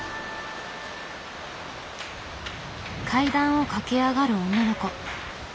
階段を駆け上がる女の子。